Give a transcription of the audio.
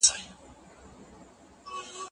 استاد پرون د شاګرد مسوده ولیده.